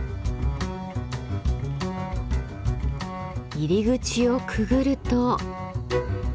入り口をくぐると。